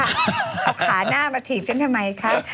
เอาขาหน้ามาถีบฉันทำไมคะ